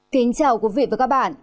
kính chào quý vị và các bạn